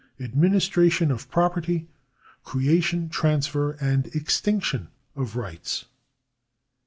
3. Administration of property. 4. Creation, transfer, and extinction of rights.